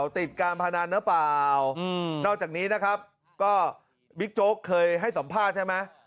ติดการพนันหรือเปล่านอกจากนี้นะครับก็บิ๊กโจ๊กเคยให้สัมภาษณ์ใช่ไหม